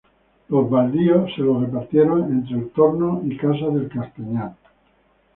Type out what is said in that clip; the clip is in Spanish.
Los baldíos se los repartieron entre El Torno y Casas del Castañar.